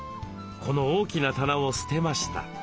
この大きな棚を捨てました。